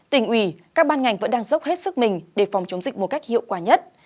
tỉnh ủy các ban ngành vẫn đang dốc hết sức mình để phòng chống dịch một cách hiệu quả nhất